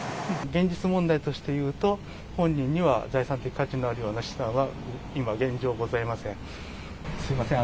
現実問題として言うと、本人には財産的価値のあるような資産は今、現状ございません。